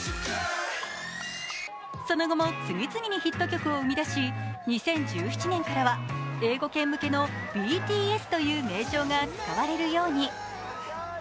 その後も次々にヒット曲を生み出し、２０１７年からは英語圏向けのＢＴＳという名称が使われるように。